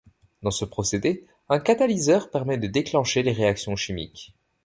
Dans ce procédé, un catalyseur permet de déclencher les réactions chimiques.